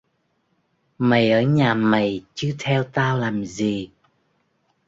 Mày ở nhà mày chứ theo tao làm gì